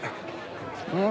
うん？